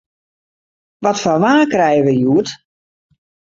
Wat foar waar krije we hjoed?